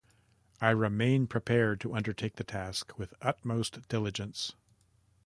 I remain prepared to undertake the task with utmost diligence.